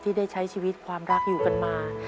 ได้ใช้ชีวิตความรักอยู่กันมา